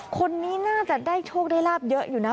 คนนี้น่าจะได้โชคได้ลาบเยอะอยู่นะ